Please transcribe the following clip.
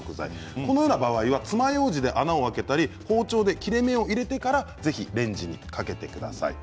このような場合はつまようじで穴を開けたり包丁で切れ目を入れてからレンジにかけてください。